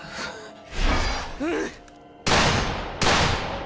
うん！